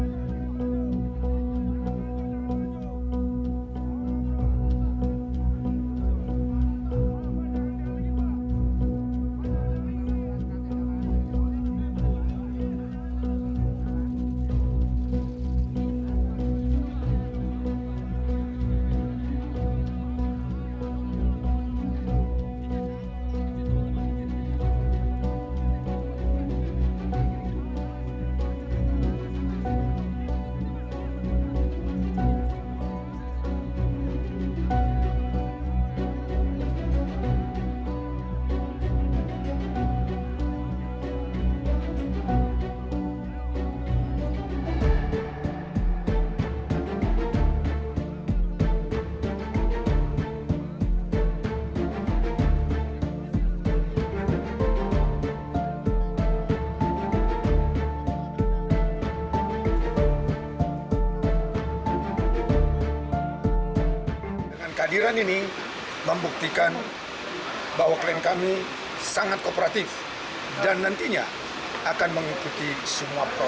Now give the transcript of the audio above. jangan lupa like share dan subscribe channel ini untuk dapat info terbaru